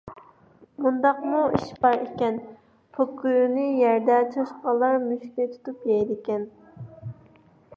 مۇنداقمۇ ئىش بار ئىكەن، پوكۈنى يەردە چاشقانلار مۈشۈكنى تۇتۇپ يەيدىكەن.